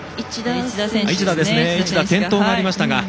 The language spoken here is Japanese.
市田、転倒もありましたが。